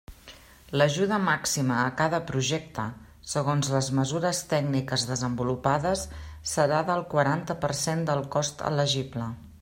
L'ajuda màxima a cada projecte, segons les mesures tècniques desenvolupades, serà del quaranta per cent del cost elegible.